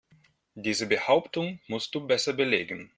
Diese Behauptung musst du besser belegen.